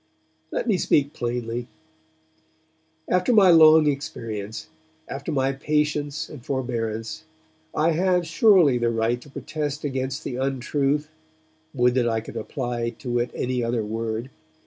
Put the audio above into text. Let me speak plainly. After my long experience, after my patience and forbearance, I have surely the right to protest against the untruth (would that I could apply to it any other word!)